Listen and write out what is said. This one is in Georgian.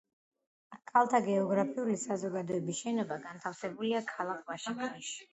ქალთა გეოგრაფიული საზოგადოების შენობა განთავსებულია ქალაქ ვაშინგტონში.